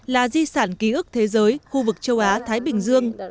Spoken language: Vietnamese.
là di sản ký ức thế giới khu vực châu á thái bình dương